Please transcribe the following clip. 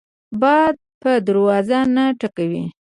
باد په دروازه نه ټکوي